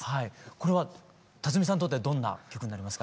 これは辰巳さんにとってはどんな曲になりますか？